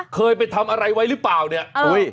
เคยไปทำอะไรไว้หรือเปล่าเนี่ย